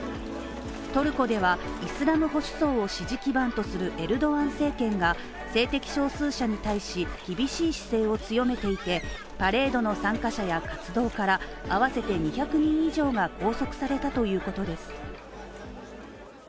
トルコではイスラム保守層を支持基盤とするエルドアン政権が性的少数者に対し、厳しい姿勢を強めていてパレードの参加者や活動家ら合わせて２００人以上が拘束されたということです。